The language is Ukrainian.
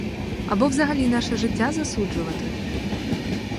Або взагалі наше життя засуджувати?